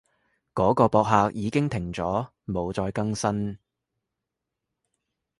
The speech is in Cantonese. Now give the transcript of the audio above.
嗰個博客已經停咗，冇再更新